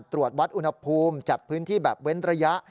ตรวจวัดอุณหภูมิจัดพื้นที่แบบเว้นระยะ